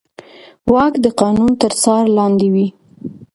واک د قانون تر څار لاندې وي.